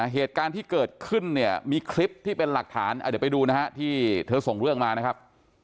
เหตุการณ์ที่เกิดขึ้นเนี่ยมีคลิปที่เป็นหลักฐานเดี๋ยวไปดูนะฮะที่เธอส่งเรื่องมานะครับ